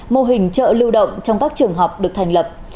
mô hình chợ lưu động trong các trường học được thành lập